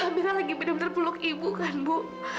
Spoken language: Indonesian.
amira lagi bener bener puluk ibu kan bu